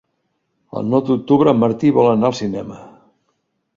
El nou d'octubre en Martí vol anar al cinema.